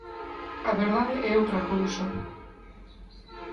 A verdade é outra cousa.